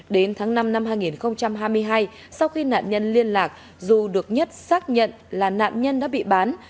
đến tháng năm năm hai nghìn hai mươi hai sau khi nạn nhân liên lạc du được nhất xác nhận là nạn nhân đã bị bán